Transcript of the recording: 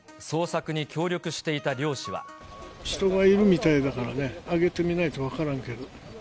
人がいるみたいだからね、上げてみないと分からんけど。